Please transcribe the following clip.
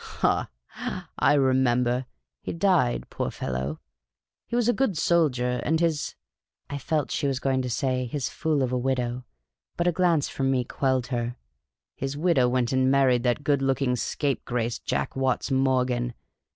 " Ha ! I remember ; he died, poor fellow ; he was a good soldier — and his "—I felt she was going to say " his fool of a widow," but a glance from me quelled her —" his widow went and married that good looking scapegrace, Jack Watts Mcft gan.